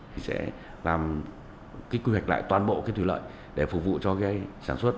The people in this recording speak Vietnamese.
thì sẽ làm cái quy hoạch lại toàn bộ cái thủy lợi để phục vụ cho cái sản xuất